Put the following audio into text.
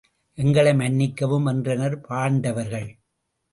எங்களை மன்னிக்கவும் என்றனர் பாண்டவர்கள்.